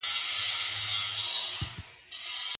ناوړه عرفونه له منځه يوسئ.